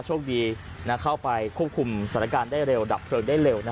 โชคดีเข้าไปควบคุมสถานการณ์ได้เร็วดับเพลิงได้เร็ว